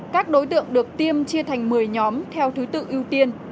các đối tượng được tiêm chia thành một mươi nhóm theo thứ tự ưu tiên